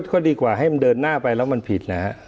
ก็ดีกว่าให้มันเดินหน้าไปแล้วมันผิดนะฮะ